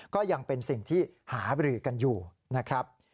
ก็ยังเป็นสิ่งที่หาบรือกันอยู่นะครับ